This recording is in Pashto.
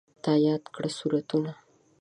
تا یاد کړي سورتونه